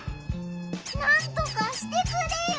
なんとかしてくれよ！